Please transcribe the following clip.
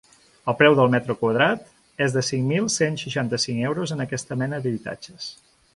El preu del metre quadrat és de cinc mil cent seixanta-cinc euros en aquesta mena d’habitatges.